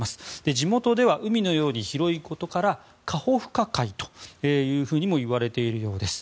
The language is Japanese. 地元では海のように広いことからカホフカ海というふうにもいわれているようです。